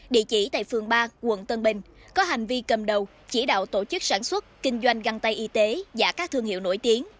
địa chỉ tại phường ba quận tân bình có hành vi cầm đầu chỉ đạo tổ chức sản xuất kinh doanh găng tay y tế giả các thương hiệu nổi tiếng